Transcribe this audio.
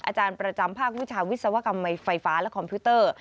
อาจารย์ประจำภาควิชาวิศวกรรมไฟฟ้าและคอมพิวเตอร์